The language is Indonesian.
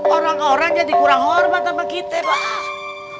orang orang jadi kurang hormat sama kita pak